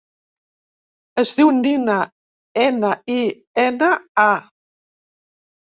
Es diu Nina: ena, i, ena, a.